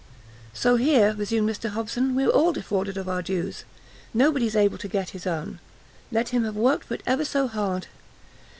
"So here," resumed Mr Hobson, "we're all defrauded of our dues! nobody's able to get his own, let him have worked for it ever so hard.